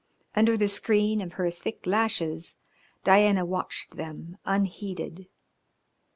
Under the screen of her thick lashes Diana watched them unheeded.